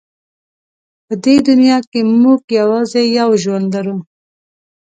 په دې دنیا کې موږ یوازې یو ژوند لرو.